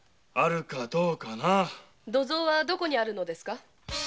土蔵はどこにあるのですか！